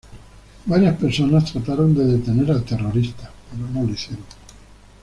Varias personas trataron de detener al terrorista, pero no lo hicieron.